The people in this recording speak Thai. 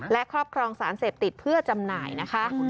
และครอบครองสารเสพติดเพื่อจำหน่ายนะคะ